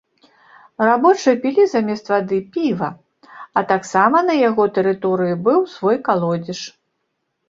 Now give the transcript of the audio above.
Рабочыя пілі замест вады, піва, а таксама на яго тэрыторыі быў свой калодзеж.